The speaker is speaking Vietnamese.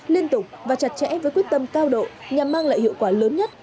liên tục và chặt chẽ với quyết tâm cao độ nhằm mang lại hiệu quả lớn nhất